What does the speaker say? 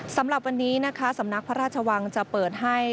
สำหรับวันนี้นะคะสำนักพระราชวังจะเปิดให้